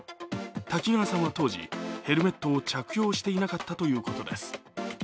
滝川さんは当時、ヘルメットを着用していなかったということです。